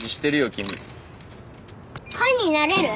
君パンになれる？